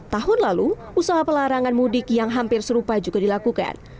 tahun lalu usaha pelarangan mudik yang hampir serupa juga dilakukan